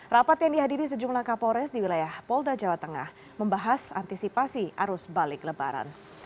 rapat yang dihadiri sejumlah kapolres di wilayah polda jawa tengah membahas antisipasi arus balik lebaran